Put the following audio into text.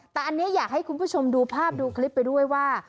แต่อันนี้อยากให้คุณผู้ชมดูภาพดูคลิปไปด้วยว่า